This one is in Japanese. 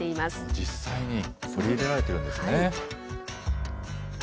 実際に、取り入れられているんですね。